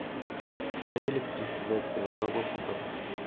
Hay electricidad pero no agua potable.